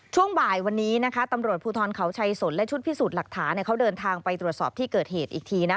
ช่วงบ่ายวันนี้นะคะตำรวจภูทรเขาชัยสนและชุดพิสูจน์หลักฐานเขาเดินทางไปตรวจสอบที่เกิดเหตุอีกที